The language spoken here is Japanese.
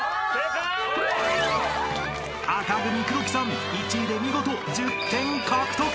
［紅組黒木さん１位で見事１０点獲得］